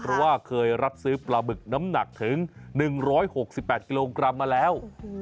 เพราะว่าเคยรับซื้อปลาบึกน้ำหนักถึง๑๖๘กิโลกรัมมาแล้ว